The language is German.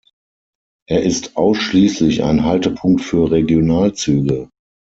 Er ist ausschließlich ein Haltepunkt für Regionalzüge.